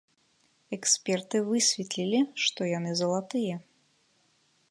Эксперты высветлілі, што яны залатыя.